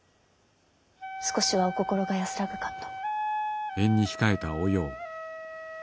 少しはお心が安らぐかと。